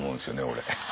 俺。